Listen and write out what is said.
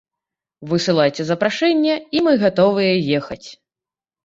Высылайце запрашэнне і мы гатовыя ехаць.